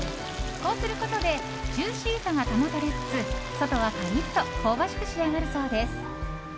こうすることでジューシーさが保たれつつ外はカリッと香ばしく仕上がるそうです。